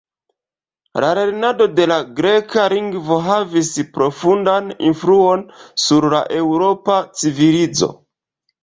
La lernado de la Greka lingvo havis profundan influon sur la Eŭropa civilizo.